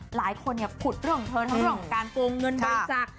หลายคนเนี่ยผุดเรื่องเธอทั้งเรื่องของการโปรงเงินบริจักษ์